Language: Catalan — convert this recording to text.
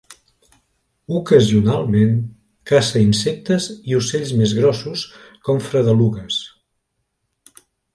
Ocasionalment caça insectes i ocells més grossos com fredelugues.